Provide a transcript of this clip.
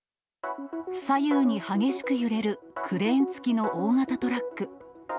左右に激しく揺れるクレーン付きの大型トラック。